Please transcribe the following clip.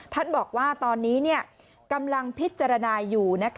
ท่านบอกว่าตอนนี้กำลังพิจารณาอยู่